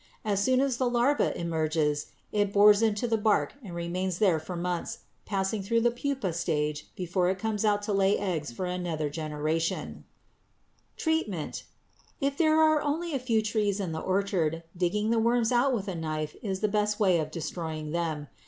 As soon as the larva emerges, it bores into the bark and remains there for months, passing through the pupa stage before it comes out to lay eggs for another generation. [Illustration: FIG. 161. BORER SIGNS AROUND BASE OF PEACH TREE] Treatment. If there are only a few trees in the orchard, digging the worms out with a knife is the best way of destroying them.